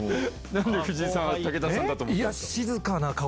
何で藤井さんは武田さんだと思ったんですか？